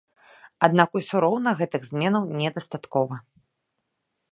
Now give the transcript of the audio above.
Аднак усё роўна гэтых зменаў недастаткова.